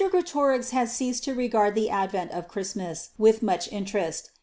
Greatorex had ceased to regard the advent of Christmas with much interest.